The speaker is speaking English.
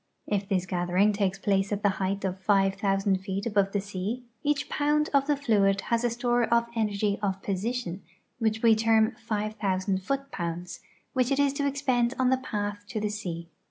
If this gathering takes ]»lace at the height of five thousand feet above the sea, each pound of the fluid has a store of energy of position, which we term five tliousand foot pounds, which it is to expend on its path to the sea.